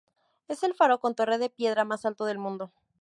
Es el faro con torre de piedra más alto del mundo.